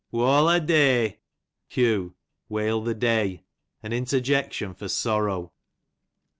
Walladay, q. xeail the day! an interjection for sorrow.